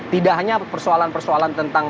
tidak hanya persoalan persoalan tentang